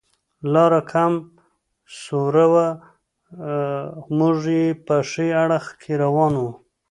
لاره کم سوره وه، موږ یې په ښي اړخ کې روان و.